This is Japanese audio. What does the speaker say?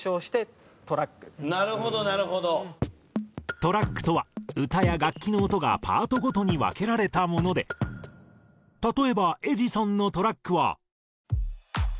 トラックとは歌や楽器の音がパートごとに分けられたもので例えば『エジソン』のトラックは。